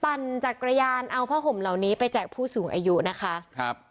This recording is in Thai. ปั่นจักรยานเอาผ้าห่มเหล่านี้ไปแจกผู้สูงอายุนะคะครับ